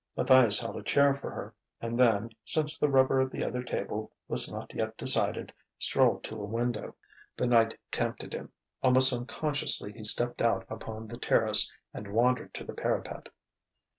Matthias held a chair for her, and then, since the rubber at the other table was not yet decided, strolled to a window. The night tempted him. Almost unconsciously he stepped out upon the terrace and wandered to the parapet.